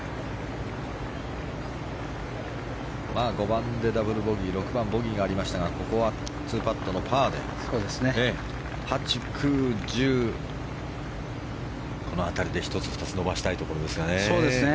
５番でダブルボギー６番、ボギーがありましたがここは２パットのパーで８、９、１０この辺りで１つ、２つ伸ばしたいところですね。